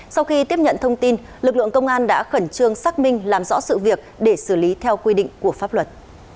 sau khi tiếp nhận thông tin lực lượng công an đã khẩn trương xác minh làm rõ sự việc để xử lý theo quy định của pháp luật